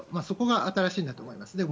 そこが新しいんだと思います。